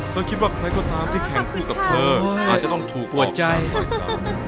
คิดว่าใครก็ตามที่แข่งคู่กับเธออาจจะต้องถูกหัวใจครับ